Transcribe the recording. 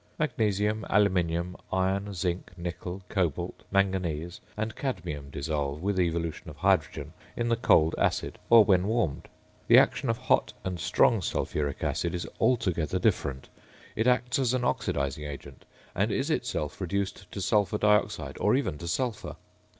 Magnesium, aluminium, iron, zinc, nickel, cobalt, manganese, and cadmium dissolve, with evolution of hydrogen, in the cold acid, or when warmed. The action of hot and strong sulphuric acid is altogether different; it acts as an oxidising agent, and is itself reduced to sulphur dioxide or even to sulphur.